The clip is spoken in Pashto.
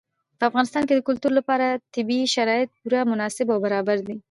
په افغانستان کې د کلتور لپاره طبیعي شرایط پوره مناسب او برابر دي.